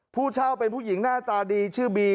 ผู้เช่าเป็นผู้หญิงหน้าตาดีชื่อบี